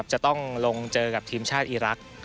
จะต้องลงเจอกับทีมชาติอีรักษ์